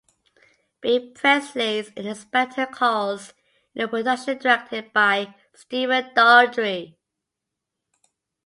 B. Priestley's "An Inspector Calls" in a production directed by Stephen Daldry.